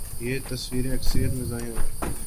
یہ تصوراتی ہے اور اکثر مزاحیہ